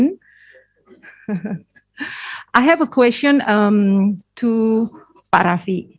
saya mempunyai pertanyaan untuk pak raffi